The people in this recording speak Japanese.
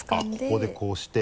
ここでこうして。